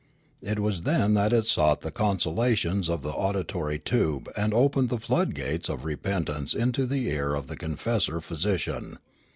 It was then that it sought the consolations of the auditory tube and opened the flood gates of repentance into the ear of the confessor physician.